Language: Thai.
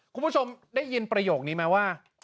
คุณผู้ชมได้ยินประโยคนี้ไหมว่า